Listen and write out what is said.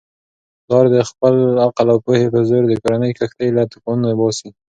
پلارد خپل عقل او پوهې په زور د کورنی کښتۍ له توپانونو باسي.